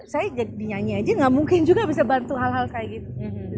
saya jadi dinyanyi aja gak mungkin juga bisa bantu hal hal kayak gitu